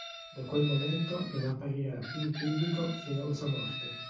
Da quel momento non apparirà più in pubblico fino alla sua morte.